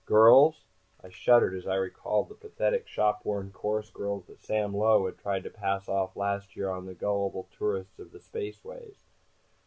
Girls?" I shuddered as I recalled the pathetic shop worn chorus girls that Sam Low had tried to pass off last year on the gullible tourists of the spaceways.